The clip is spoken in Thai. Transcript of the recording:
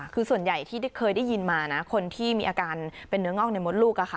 คือส่วนใหญ่ที่เคยได้ยินมานะคนที่มีอาการเป็นเนื้องอกในมดลูก